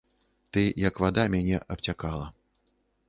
Ты, як вада, мяне абцякала.